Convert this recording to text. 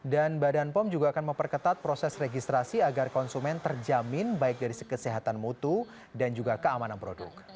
dan badan pong juga akan memperketat proses registrasi agar konsumen terjamin baik dari kesehatan mutu dan juga keamanan produk